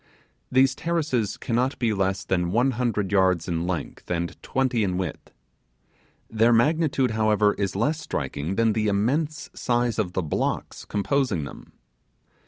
These terraces cannot be less than one hundred yards in length and twenty in width. Their magnitude, however, is less striking than the immense size of the blocks composing them.